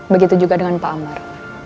begitu juga dengan pak amar